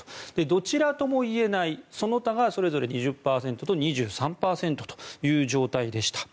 どちらともいえない、その他がそれぞれ２０％と２３％という状態でした。